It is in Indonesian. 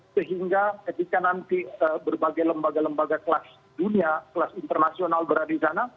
sehingga ketika nanti berbagai lembaga lembaga kelas dunia kelas internasional berada di sana